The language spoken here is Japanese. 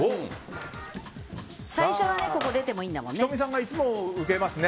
最初は出てもいいんだもんね。